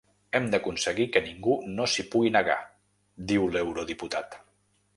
Hem d’aconseguir que ningú no s’hi pugui negar, diu l’eurodiputat.